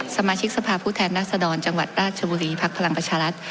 สมาชิกสภาพผู้แทนรัศดรจังหวัดราชบุรีภักดิ์พลังประชารัฐ